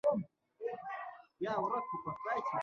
لویې لارې او سوداګریز مرکزونه په حال کې وې.